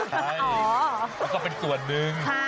ใช่แล้วก็เป็นส่วนหนึ่ง